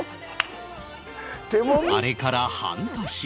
あれから半年